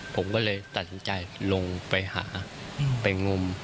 ผมก็เลยตัดสินใจลงไปหาไปงม